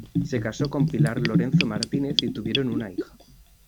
Se casó con Pilar Lorenzo Martínez y tuvieron una hija.